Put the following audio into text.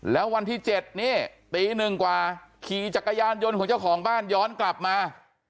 แล้ววันที่๗นี่ตีหนึ่งกว่าขี่จักรยานยนต์ของเจ้าของบ้านย้อนกลับมา